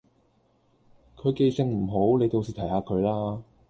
佢記性唔好，你到時提下佢啦